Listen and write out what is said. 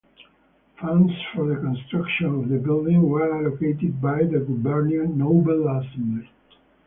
Funds for the construction of the building were allocated by the gubernia Noble Assembly.